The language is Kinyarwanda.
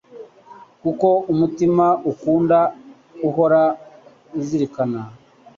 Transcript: kuko umutima ukunda uhora uzirikana.